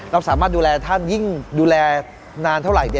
เราสามารถดูแลท่านยิ่งดูแลนานเท่าไหร่